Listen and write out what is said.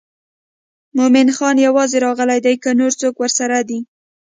مومن خان یوازې راغلی دی که نور څوک ورسره دي.